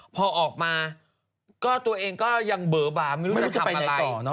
พอออกมาก็ตัวเองก็ยังเบอร์บาไม่รู้จะทำอะไรต่อ